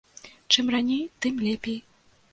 Чым раней, тым лепей.